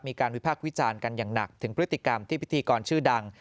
มีการวิพากษ์วิจารณ์กันอย่างหนักถึงพฤติกรรมที่พิธีกรชื่อดัง